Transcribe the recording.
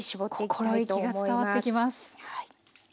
その心意気が伝わってきます。